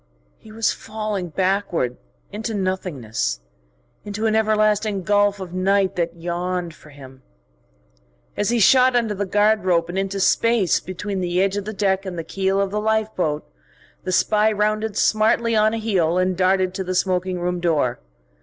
He was falling backward into nothingness, into an everlasting gulf of night that yawned for him.... As he shot under the guard rope and into space between the edge of the deck and the keel of the lifeboat, the spy rounded smartly on a heel and darted to the smoking room door.